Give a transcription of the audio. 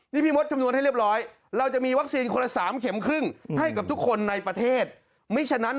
นี่พี่มดคำนวณให้เรียบร้อย